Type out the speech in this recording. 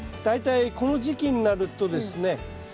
大体この時期になるとですね